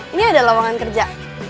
ini ada lawangan kerja